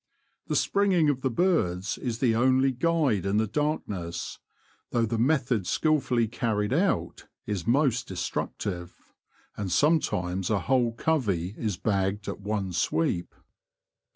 The springing of the birds is the only guide in the darkness, though the method skilfully carried out is most destructive, and sometimes a whole covey is is bagged at one sweep.